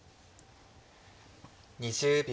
２０秒。